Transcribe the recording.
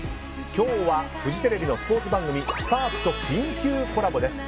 今日はフジテレビのスポーツ番組「Ｓ‐ＰＡＲＫ」と緊急コラボです。